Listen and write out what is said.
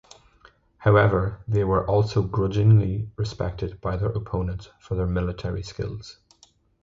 However, they were also grudgingly respected by their opponents for their military skills.